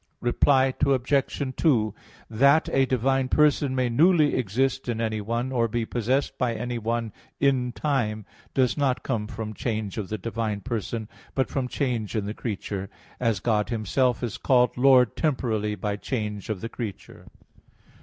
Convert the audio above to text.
Reply Obj. 2: That a divine person may newly exist in anyone, or be possessed by anyone in time, does not come from change of the divine person, but from change in the creature; as God Himself is called Lord temporally by change of the creature.